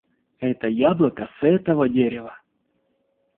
Это яблоко с этого дерева!